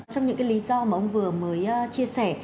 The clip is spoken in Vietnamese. trong những cái lý do mà ông vừa mới chia sẻ